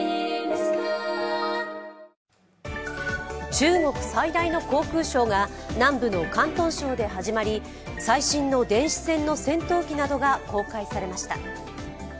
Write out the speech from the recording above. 中国最大の航空ショーが南部の広東省で始まり最新の電子戦の戦闘機などが公開されました。